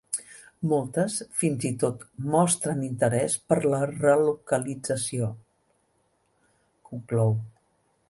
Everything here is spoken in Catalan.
“Moltes, fins i tot, mostren interès per la relocalització”, conclou.